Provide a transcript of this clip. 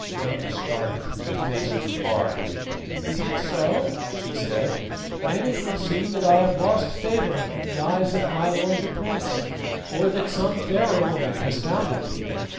Noma started, and her face grew hard. "Is it so?" she said. "Then it would seem that I have lost favour in the eyes of my lord the prince, or that some fairer woman has found it."